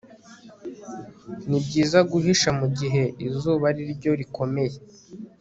nibyiza guhisha mugihe izuba ariryo rikomeye